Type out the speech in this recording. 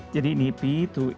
jadi ini p dua e